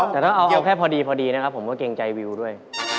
แต่ถ้าเอาแค่พอดีพอดีนะครับผมก็เกรงใจวิวด้วย